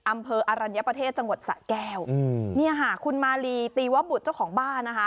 อำเภออรัญญประเทศจังหวัดสะแก้วอืมเนี่ยค่ะคุณมาลีตีวบุตรเจ้าของบ้านนะคะ